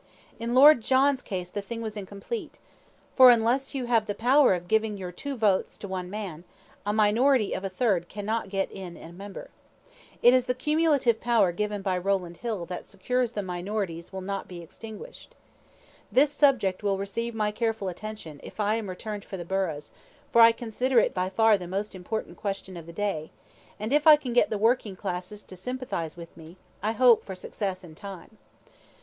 In Lord John's case the thing was incomplete, for unless you have the power of giving your two votes to one man, a minority of a third cannot get in a member. It is the cumulative power given by Rowland Hill that secures that minorities will not be extinguished. This subject will receive my careful attention, if I am returned for the burghs, for I consider it by far the most important question of the day, and if I can get the working classes to sympathize with me, I hope for success in time.